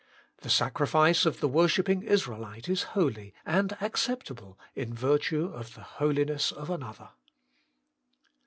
The sacrifice of the worshipping Israelite is holy and acceptable in virtue of the holiness of Another.